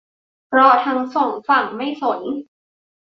เพราะทั้งสองฝั่งไม่สน